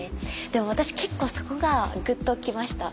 でも私結構そこがグッときました。